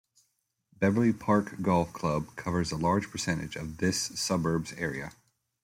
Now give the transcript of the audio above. Beverley Park Golf Club covers a large percentage of this suburb's area.